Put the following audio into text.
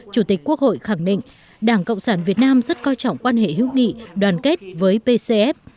chủ tịch quốc hội khẳng định đảng cộng sản việt nam rất coi trọng quan hệ hữu nghị đoàn kết với pcf